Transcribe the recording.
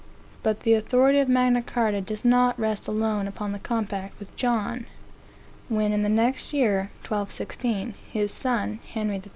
But the authority of Magna Carta does not rest alone upon the compact with John. When, in the next year, (1216,) his son, Henry III.